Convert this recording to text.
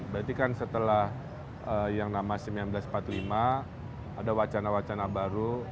berarti kan setelah yang nama seribu sembilan ratus empat puluh lima ada wacana wacana baru